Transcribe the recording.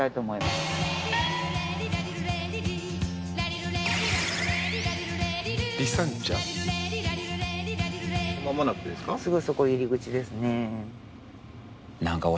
すぐそこ入り口ですね。